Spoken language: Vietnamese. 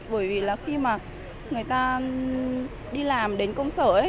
bởi vì là khi mà người ta đi làm đến công sở ấy